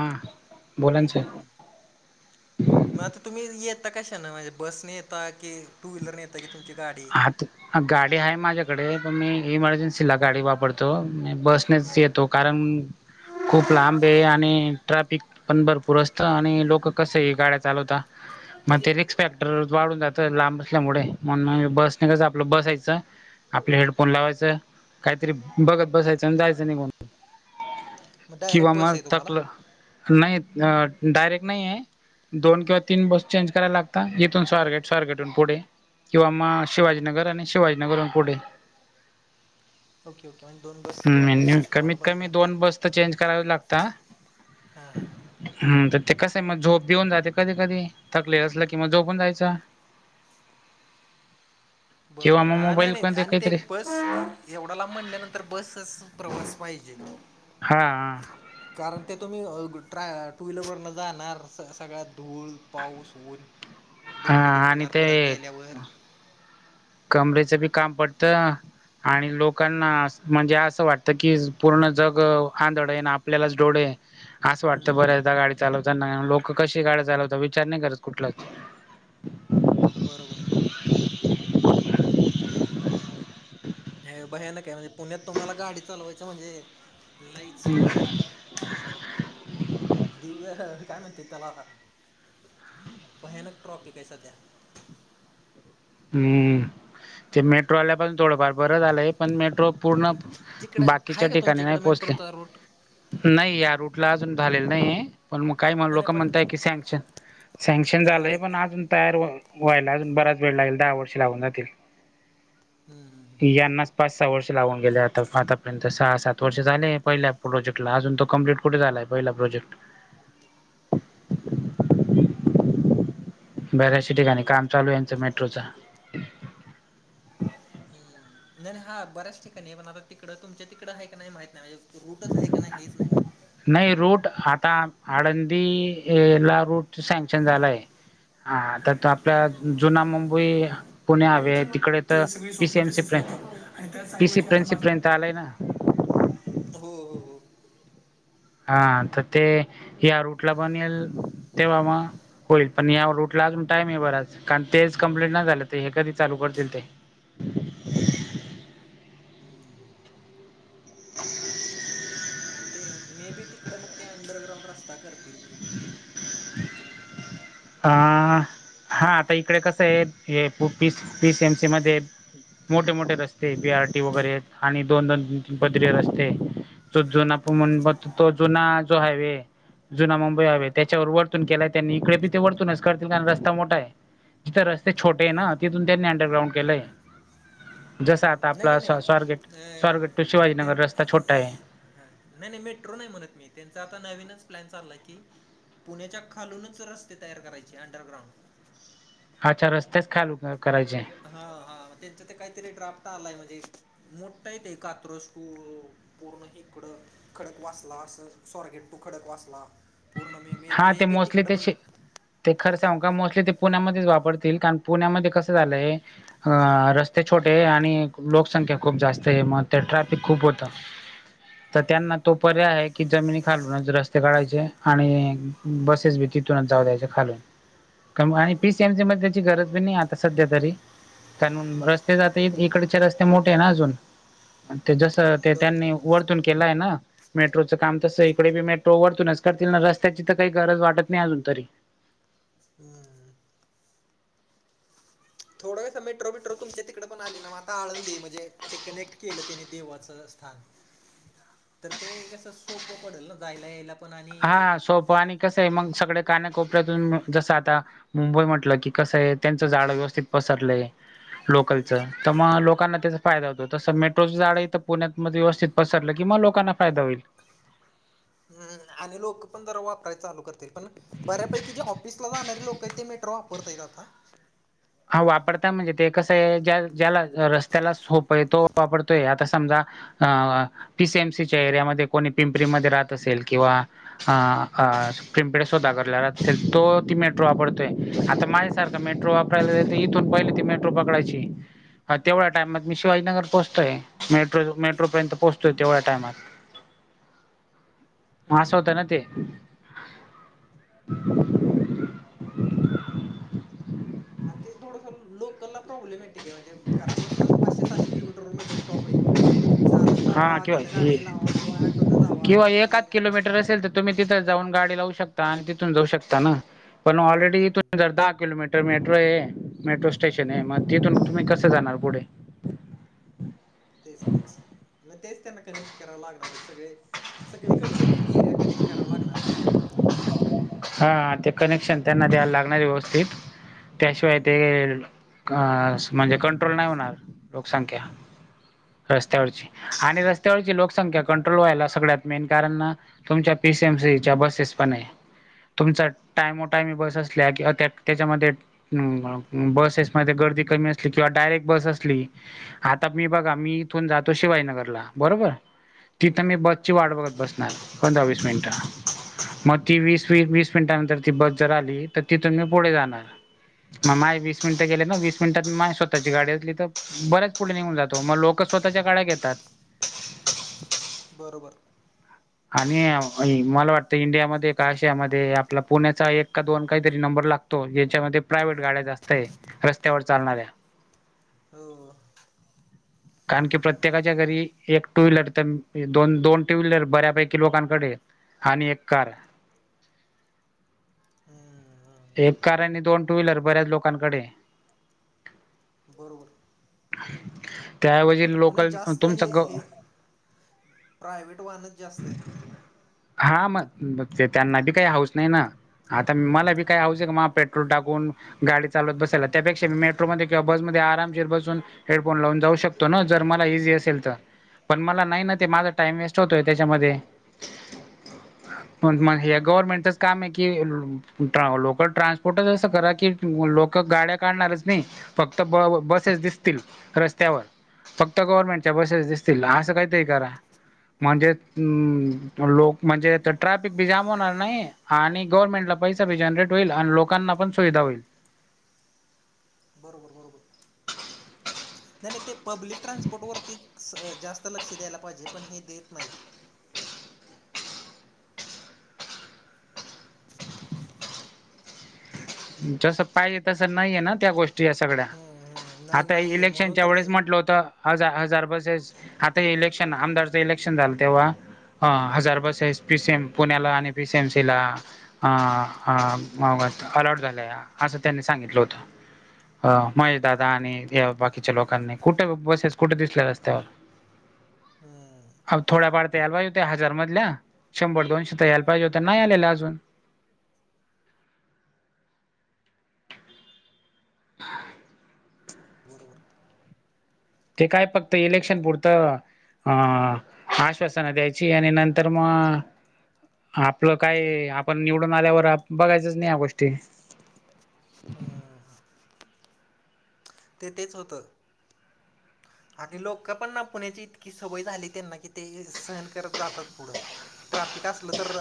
हा बोला ना सर हम. मग आता तुम्ही येता कशान बसने येता की, टूव्हीलरने येता की, तुमची गाडी आहे. आत गाडी आहे माझ्याकडे पण मी इमर्जन्सीला गाडी वापरतो बस नेस येतो कारण खूप लांब आणि ट्राफिक पण भरपूर असतं आणि लोक कस हे गाड्या चालवता. मग ते रिक्स फॅक्टर वाढून जात लांब असल्यामुळे म्हणून आम्ही बसने का आपलं बसायचं. आपले हेडफोन लावायचं काहीतरी बघत बसायचं आणि जायचं निघून. मग किंवा डायरेक्ट बस मग आहे तुम्हाला थकलं नाही डायरेक्ट नाही आहे. दोन किंवा तीन बस चेंज करायला लागता. इथून स्वारगेट स्वारगेटून पुढे किंवा मग, शिवाजीनगर आणि शिवाजीनगर हून पुढे. ओके ओके म्हणजे दोन बस हम्म किंवा तीन मेन्युत बस तुम्हाला कमीत, बदलावं कमी लागतील दोन बस तर चेंज करावी लागता. हा हा हम तर ते कस आहे मग झोप येऊन जाते कधी कधी थकलेलं असलं कि मग झोपून जायचं. किंवा बरोबर मग हा नाही मोबाईल नाही कोणते आणि ते काहीतरी बस एवढा लांब म्हणल्यानंतर बसच प्रवास पाहिजे. हा आ.... कारण ते तुम्ही ट्राय टूव्हीलर वरन जाणार सगळ्यात धूळ, पाऊस, ऊन हा डोकं आणि दुखणार परत ते गेल्यावर. कमरेचं बी काम पडतं. आणि लोकांना म्हणजे असं वाटतं की, पुर्ण जग आंधळे आहे ना आपल्यालाच डोळे आहे. असं वाटतं बऱ्याचदा गाडी चालवताना लोकं कशी गाडी चालवता विचार नाही करत कुठलाच. बरोबर. हे भयानकय म्हणजे पुण्यात तुम्हाला गाडी चालवायचं म्हणजे लईच. दिव्य काय म्हणतेत त्याला भयानक ट्रॉफी आहे सध्या. हम्म, ते मेट्रो आला पण थोडंफार बरं झालंय. पण मेट्रो पूर्ण, तिकडे बाकीच्या आहे का ठिकाणी तुमच्या नाही इकडे पोहोचले मेट्रोचा रूट नाही या रूट ला अजून झालेले नाही. पण मग काही नाही नाही लोक पण ते म्हणताय की सँक्शन सँक्शन करणार झालंय पण आहेत अजून तयार हो व्हायला अजून बराच वेळ लागेल दहा वर्ष लागून जातील हम्म. यांना पाच सहा वर्ष लावून गेले आता आतापर्यंत सहा सात वर्ष झाले पहिल्या प्रोजेक्टला अजून तो कंप्लीट कुठे झालाय पहिला प्रोजेक्ट? बऱ्याचशा ठिकाणी काम चालू आहे यांच मेट्रोच. नाही नाही हा बऱ्याच ठिकाणी पण आता तिकडं तुमच्या तिकडं हाय का नाय माहित नाय रूटच आहे का नाही हेच नाही माहित. नाही रूट आता आळंदी ला रूट सँक्शन झालाय. हा तर तो आपल्या जुना मुंबई पुणे हवे त्याच्या आहे मग तिकडे तर ते सगळी पी सी स्वप्न एम सी तशीच हो. प्रे राहतात आणि त्याच पी सी ऐवजी आता प्रेनसी माझ पर्यंत आलाय ना. हो हो हो. हा तर ते या रूटला बनेल तेव्हा म होईल पण या रूटला अजून टाइम आहे बरच कारण तेच कंप्लेट नाही झालं ते हे कधी चालू करतील ते. हम्म. [inaudible] आणि ते मे बी तिकड मग ते अंडरग्राउंड रस्ता करतील मे बी तुमच्या तिकडं. हा आता इकडे कसं आहे पी सी एम सी मध्ये मोठे-मोठे रस्ते पी आर टी वगैरे एक आणि दोन-दोन बदरी रस्ते जो जुनापू म्हण म तो जुना जो हायवे जुना मुंबई हवे त्याच्यावर वर्तून केलाय त्यांनी इकडे बी ते वर्तूनच करतील कारण रस्ता मोठा आहे. जिथं रस्ते छोटे आहे ना तिथून त्यांनी अंडरग्राउंड केलंय. जसं आता नाही आपला नाही नाही स्वा स्वारगेट अं, स्वारगेट टू त्यां शिवाजीनगर रस्ता छोटा आहे हा. नाही नाही मेट्रो नाही म्हणत मी त्यांचा आता नवीनच प्लॅन चालला की पुण्याच्या खालूनच रस्ते तयार करायचे अंडरग्राउंड. अच्छा रस्त्याचं खालू क करायचे. हा हा त्यांच्या ते काहीतरी ड्राफ्ट आलाय म्हणजे मोठा येते कात्रुस पूर्ण पूर्ण इकडं खडक वाचला असं सॉरगेट टू खडक वाचला पूर्ण मे मे हा मे ते बी मोस्टली तिकडं पण ते ते खर्च का मोस्टली ते पुण्यामध्येच वापरतील कारण पुण्यामध्ये कसं झालंय अ रस्ते छोटे आहे आणि लोकसंख्या खूप जास्त आहे म ते ट्रॅफिक खूप होतं. तर त्यांना तो पर्याय आहे की जमिनी खालूनच रस्ते काढायचे आणि बसेस बी तिथूनच जाऊ द्यायच्या खालून. कमवाय पी सी एम सी मध्ये त्याची गरज बी नाही आता सध्या तरी. कानून रस्ते जाते इकडचे रस्ते मोठे आहे ना अजून ते जसं ते बरोबर त्यांनी वरतून केलाय ना मेट्रोचं काम तसं इकडे बी मेट्रो वरतूनच करतील ना रस् त्याची तर काही गरज वाटत नाही अजून तरी. हम्म. [unintelligible] मेट्रो बेट्रो तुमच्या तिकडे पण आली ना मग आता आळंदी म्हणजे ते कनेक्ट केलं तिने देवाचं स्थान. तर ते कसं सोपं पडेल ना जायला यायला. पण आणि हा सोपं आणि कसं आहे मग सगळे कानाकोपऱ्यातून जसं आता मुंबई म्हटलं की कसं आहे त्यांचं जाळं व्यवस्थित पसरलंय. लोकलचा तर मग लोकांना त्याचा फायदा होतो तसं मेट्रोचं जाड आहे तर पुण्यातमध्ये व्यवस्थित पसरलं कि म लोकांना फायदा होईल. हम्म आणि लोकं पण जरा वापराय चालू करतील पण बऱ्यापैकी जे ऑफिसला जाणारे लोकं आहे ते मेट्रो वा परत येईल आता. हा वापरता म्हणजे ते कसं आहे ज्या ज्याला रस्त्याला सोप्पं आहे तो वापरतोय आता समजा अ पीसीएमसीच्या एरियामध्ये कोणी पिंपरीमध्ये राहत असेल किंवा. अ आ प्रिमपेढ सोदागरला [unintelligible] तो ती मेट्रो वापडतोय आता माझ्यासारखा मेट्रो [unintelligible] ती इथून पहिली ती मेट्रो पकडायची. हा तेवढ्या टाईमात मी शिवाजीनगर पोहचतोय मेट्रो मेट्रोपर्यंत पोहचतोय तेवढ्या टाइमात. [inaudible] मास होता हम्म न ते. आणि ते थोडस लोकलला प्रॉब्लेमेटिक आहे म्हणजे घरा बसूनच पाचशे सहाशे किलोमीटरवर मीटरवर स्टॉप आहे. म चालत हा जावा किंवा तिथं हे गाडी लावा किंवा ऑटोना जावा ते मेट्रो असेल तर तुम्ही तिथं जाऊन गाडी लावू शकता आणि तिथून जाऊ शकता ना पण ऑलरेडी हम्म हम्म इथून जर दहा किलोमी तर मेट्रो आहे मेट्रो स्टेशन आहे मग तिथून तुम्ही कसं जाणार पुढे. तेच तेच म तेच त्यांना कनेक्ट कराव लागणार आहे सगळे. सगळीकडचेच एरिया कनेक्ट कराव लागणार आहेत. हा ते कनेक्शन त्यांना द्यायला लागणार व्यवस्थित त्याशिवाय ते. म्हणजे कंट्रोल नाही होणार लोकसंख्या रस्त्यावरची. आणि रस्त्यावरची लोकसंख्या कंट्रोल व्हायला सगळ्यात मेन कारण ना. तुमच्या पीसीएमसीच्या बसेस पण आहे. तुमचा टायमोटायमी बस असल्या किंवा त्या त्याच्यामध्ये. हम बसेसमध्येध्ये गर्दी कमी असली किंवा डायरेक्ट बस असली. आता मी बघा आ मी इथून जातो शिवाजीनगरला बरोबर. तिथं मी बसची वाट बघत बसणार पंधरा वीस मिनिटं मग ती वीस इथं एक वीस मिनिटानंतर ती बस जर आली तर तिथून मी पुढे जाणार. मग माझ वीस मिनिटं गेले ना वीस मिनिटात मा स्वतःची गाडी असली तर बर्याच पुढे निघून जातो मग लो कर स्वतच्या गाड्या घेतात. बरोबर. आणि मला वाटतं इंडियामध्ये काशयामध्ये आपला पुण्याचा एक का दोन काहीतरी नंबर लाग यांच्यामध्ये प्रायव्हेट गाड्या जास्त रस्त्यावर चालणाऱ्या. हो. कारण की प्रत्येकाच्या घरी एक टू व्हीलर तर दोन दोन टू व्हीलर बऱ्यापैकी लोकांकडे. आणि एक कार. हम्म हम्म. एक कार आणि दोन टू व्हहीलर बऱ्याच लोकांकडे. बरोबर. त्या ऐवजी आणि जास्त हे हे प्रायव्ट वाहन हा मग मग ते त्यांना बी काही हौस नाही ना. आता मला बी काय आवच आहे म पेट्रोल टाकून गाडी चालवत बसायला त्यापेक्षा मी मेट्रोमध्ये किंवा बसमध्ये आरामशीर बसून. हेडफोन लावून जाऊ शकतो ना जर मला इझी असेल तर पण मला नाही ना ते माझा टाइम वेस्ट होतोय. त्याच्यामध्ये बरोबर बरोबर गवर्मेंटच काम आहे कि लोकल ट्रान्सपोर्टच असं करा कि लोक गाड्या काढणारच नाही. फक्त ब बसेस दिसतील रस्त्यावर. फक्त गव्हर्नमेंटच्या बसेस दिसतील असं काहीतरी करा म्हणजे हम्म लोक म्हणजे ट्रॅफिक बी जाम होणार नाही. आणि गव्हर्नमेंट ला पैसा बी जनरेट होईल आणि लोकांना पण सुविधा होईल. बरोबर बरोबर. नाही नाही ते पब्लिक ट्रान्सपोर्टवरती जास्त लक्ष द्यायला पाहिजे पण हे देत नाहीत. जसं पाहिजे तसं नाहीये ना त्या गोष्टी या सगळ्या. हम्म हम्म नाही आता नाहीये म्हणून इलेक्शनच्या तर ते वेळेस म्हटलं होत. हजार हजार बसेस आता हे इलेक्शन आमदारचं इलेक्शन झालं तेव्हा. हा हजार बस आहेस पी सीएम पुण्याला आणि पी सीएम सी ला. हा हा म अलर्ट झालं असं त्यांनी सांगितलं होतं. अ महेश दादा आणि या बाकीच्या लोकांनी कुठे बसेस कुठे दिसल्या रस्त्यावर. हम्म. अ थोड्याफार तर यायल पाहिज होत्या हजार मधल्या शंभर दोनशे तर यायल पाहिजे होत्या नाही आलेल्या अजून. बरोबर. ते काय फक्त इलेक्शन पुरतं. हा आश्वासनं द्यायची आणि नंतर मग. आपलं काय आपण निवडून आल्यावर बघायचंच नाही या गोष्टी. हा. ते तेच होतं. आणि लोक पण ना पुण्याची इतकी सवय झाली त्यांना की ते सहन करत जातात. पुढं ट्रॅफिक असलं तर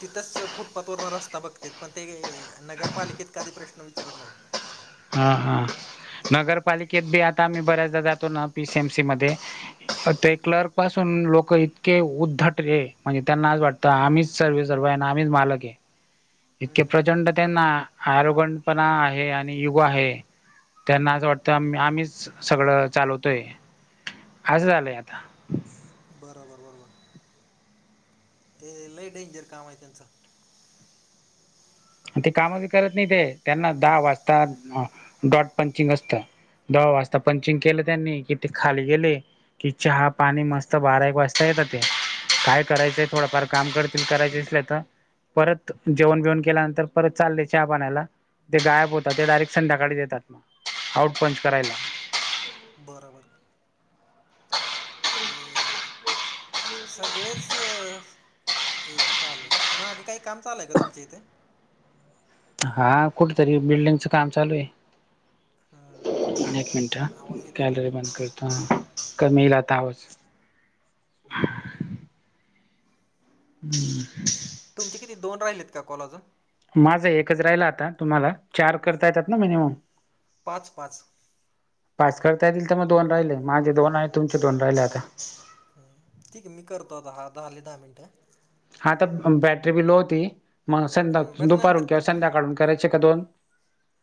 तिथंच फुटपाथवरन रस्ता बघतेत. पण ते नगरपालिकेत कधी प्रश्न विचारत नाही. हा हा नगरपालिकेत बी आता आम्ही बऱ्याचदा जातो ना पीसीएमसी मध्ये. अ ते क्लर्क पासून लोक इतके उद्धट रे म्हणजे त्यांना आज वाट तर आम्हीच सर्व सरव आहे आणि आम्हीच मालक आहे. इतके हम्म प्रचंड त्यांना आरोगणपणा आहे आणि युग आहे. त्यांना असं वाटतंम आम्हीच सगळं चालवतोय असं झालंय आता. बरोबर बरोबर. ते लई डेंजर काम आहे त्यांचं. ते काम बी करत नाही ते त्यांना दहा वाजता डॉट पंचिंग असत. दहा वाजता पंचिंग केलं त्यांनी किती खाली गेले. की चहा पाणी मस्त बारा एक वाजता येत ते. काय करायचंय थोडंफार काम करतील करायच असल तर परत जेवण बेऊन केल्यानंतर. तर परत चालले चहा पाण्याला. ते गायब होतात ते डायरेक्ट संध्याकाळी देतात ना आउट पंच करायला. बरोबर. ते. सगळेच हे चालू आहे मगगं काही काम चालूय का तुमच्या इथे? हा कुठेतरी बिल्डिंगचं काम चालू आहे. हम्म, एक मिनट ह ठोकतात आवाज येतोय गॅलरी बंद करते. क म लातास. हम्म हम्म. तुमचे किती दोन राहिले आहेत का कॉल अजून. माझं एकच राहिला आता तुम्हाला चार करता येतात ना मिनिमम. पाच पाच. पाच करता येतील तर मग दोन राहिले माझे दोन आहे तुमचे दोन राहिले आता. ह ठीक आहे मी करतो आताहा दहाले दहा मिनिटं. ह आता बॅटरी बी लो होती मग संध्या हम्म, बरं नंतर दुपारून किंवा संध्याकाळून करायची का दोन?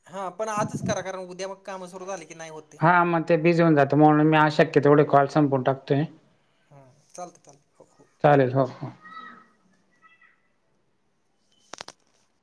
हा पण आजच करा कारण उद्या मग कामं सुरू झाली की नाही होत. हा मग ते बिझी होऊन जातं म्हणून मी अशक्य तेथवढ कॉल संपून टाकतोय. हा हा चालतंय चालतंय हो हो. चालेल हो हो. [inaudible]